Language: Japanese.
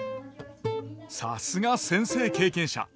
さすが先生経験者。